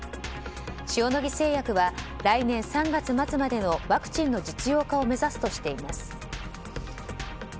塩野義製薬は来年３月末までのワクチンの実用化を目指すとしています。